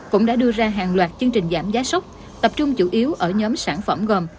cũng đã đưa ra hàng loạt chương trình giảm giá sốc tập trung chủ yếu ở nhóm sản phẩm gồm